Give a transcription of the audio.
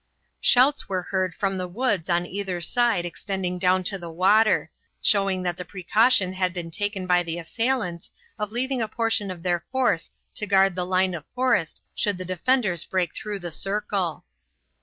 Shouts were heard from the woods on either side extending down to the water, showing that the precaution had been taken by the assailants of leaving a portion of their force to guard the line of forest should the defenders break through the circle.